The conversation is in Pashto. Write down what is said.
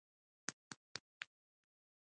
د اینځر خوراک قبض ختموي.